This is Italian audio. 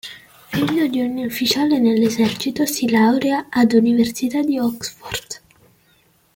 Figlio di un ufficiale dell'esercito, si laurea ad Università di Oxford.